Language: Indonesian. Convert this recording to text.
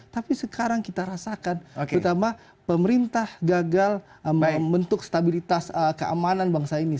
tapi sekarang kita rasakan terutama pemerintah gagal membentuk stabilitas keamanan bangsa ini